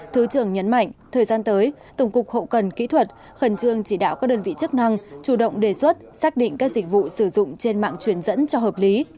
thứ trưởng nhấn mạnh thời gian tới tổng cục hậu cần kỹ thuật khẩn trương chỉ đạo các đơn vị chức năng chủ động đề xuất xác định các dịch vụ sử dụng trên mạng truyền dẫn cho hợp lý